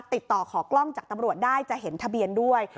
ติดต่อขอกล้องจากตำรวจได้จะเห็นทะเบียนด้วย